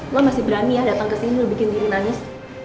lu masih berani ya datang kesini lu bikin riri nangis